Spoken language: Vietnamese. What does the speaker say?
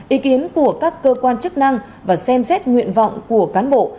ý kiến của các cơ quan chức năng và xem xét nguyện vọng của cán bộ